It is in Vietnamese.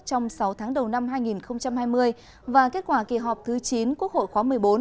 trong sáu tháng đầu năm hai nghìn hai mươi và kết quả kỳ họp thứ chín quốc hội khóa một mươi bốn